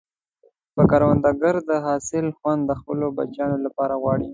کروندګر د حاصل خوند د خپلو بچیانو لپاره غواړي